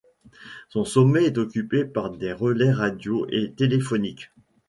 Son sommet est occupé par des relais radios et téléphoniques.